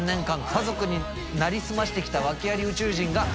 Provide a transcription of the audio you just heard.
家族になりすましてきたワケあり宇宙人が弔